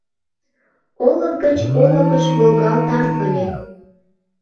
Олык гыч олыкыш волгалтам ыле.